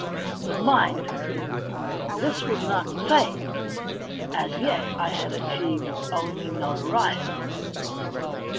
But, mind, this was not fame ; as yet I had achieved only notoriety.